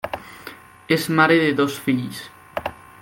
És mare de dos fills.